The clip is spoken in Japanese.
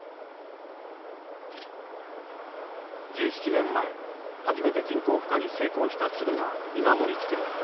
１７年前初めて人工孵化に成功した鶴が今も生きている。